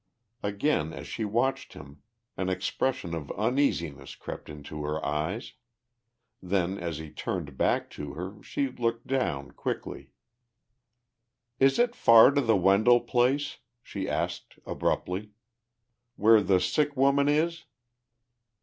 Again, as she watched him, an expression of uneasiness crept into her eyes; then as he turned back to her she looked down quickly. "Is it far to the Wendell place?" she asked abruptly. "Where the sick woman is?"